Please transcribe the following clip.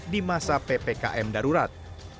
di masa ppkm darurat